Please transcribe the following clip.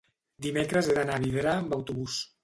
dimecres he d'anar a Vidrà amb autobús.